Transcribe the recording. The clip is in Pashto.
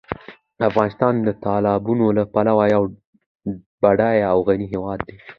افغانستان د تالابونو له پلوه یو بډایه او غني هېواد دی.